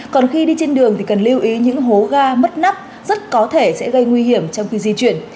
còn khi đi trên đường thì cần lưu ý những hố ga mất nắp rất có thể sẽ gây nguy hiểm trong khi di chuyển